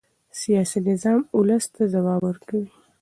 سیاسي نظام ولس ته ځواب ورکوي